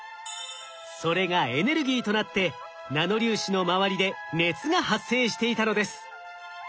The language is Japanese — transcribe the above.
それがエネルギーとなってナノ粒子の周りで熱が発生していたのです。